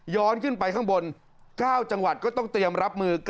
ขึ้นไปข้างบน๙จังหวัดก็ต้องเตรียมรับมือ